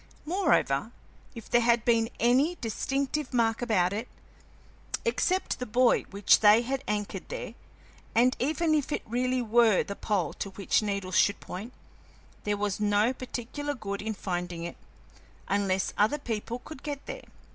Moreover, if there had been any distinctive mark about it, except the buoy which they had anchored there, and even if it really were the pole to which needles should point, there was no particular good in finding it, unless other people could get there.